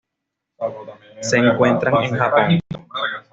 Se encuentran en Japón.